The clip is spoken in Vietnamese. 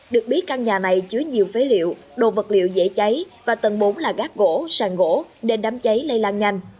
được biết căn nhà này chứa nhiều phế liệu đồ vật liệu dễ cháy và tầng bốn là gác gỗ sàn gỗ nên đám cháy lây lan nhanh